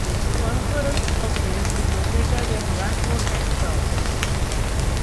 The conference office is located in Waco, Texas.